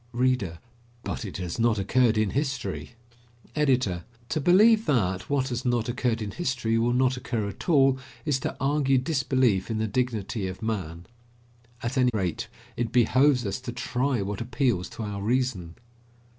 READER: But it has not occurred in history! EDITOR: To believe that, what has not occurred in history will not occur at all, is to argue disbelief in the dignity of man. At any rate, it behoves us to try what appeals to our reason.